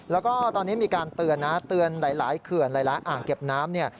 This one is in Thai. แล้วก็ตอนนี้มีการเตือนนะเตือนหลายเขื่อนหลายอ่างเก็บน้ำเนี่ย